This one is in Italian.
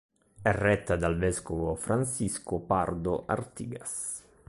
È retta dal vescovo Francisco Pardo Artigas.